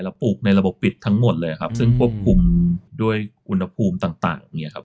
แล้วปลูกในระบบปิดทั้งหมดเลยครับซึ่งควบคุมด้วยคุณภูมิต่างต่างอย่างเงี้ยครับ